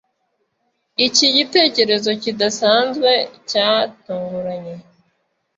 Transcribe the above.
Iki gitekerezo kidasanzwe cyatunguranye